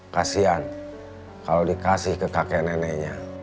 kasian kalau dikasih ke kakek neneknya